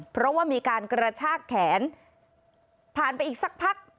เพราะว่ามีการกระชากแขนผ่านไปอีกสักพัก